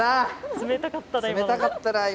冷たかったな今。